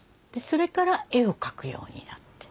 それから絵を描くようになって。